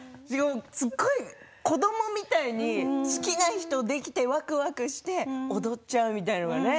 すごい、子どもみたいに好きな人できてわくわくして踊っちゃうみたいなね。